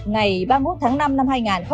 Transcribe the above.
ngày ba mươi một tháng năm năm hai nghìn hai mươi ba